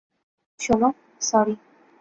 শোন, সরি!